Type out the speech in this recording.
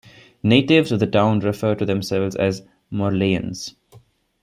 Natives of the town refer to themselves as Morleians.